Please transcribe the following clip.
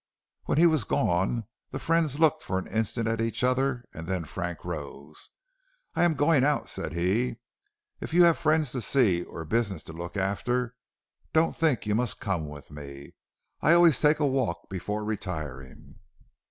When he was gone, the friends looked for an instant at each other, and then Frank rose. "I am going out," said he. "If you have friends to see or business to look after, don't think you must come with me. I always take a walk before retiring."